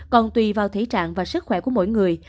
còn tùy vào thể trạng và sức khỏe của mỗi người